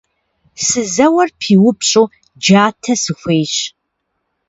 Сызэуэр пиупщӏу джатэ сыхуейщ.